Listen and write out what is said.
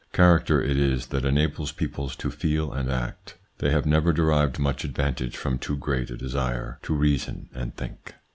Character it is that enables peoples to feel and act. They have never derived much advantage from too great a desire to reason and think.